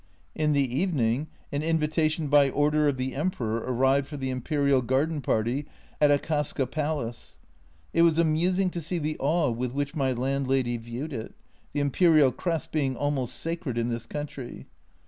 In the evening an invitation " by order of the Emperor" arrived for the Imperial garden party at Akasaka Palace. It was amusing to see the awe with which my landlady viewed it the Imperial Crest being almost sacred in this country.